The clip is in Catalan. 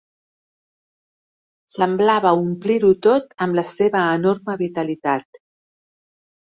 Semblava omplir-ho tot amb la seva enorme vitalitat.